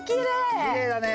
きれいだね。